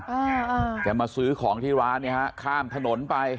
เออเอออ่าความรู้ตัวถ้ามาซื้อของที่ร้านเนี่ยฮะข้ามถนนไป